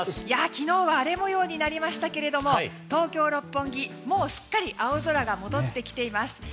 昨日は荒れ模様になりましたけれども東京・六本木、もうすっかり青空が戻ってきています。